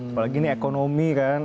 apalagi ini ekonomi kan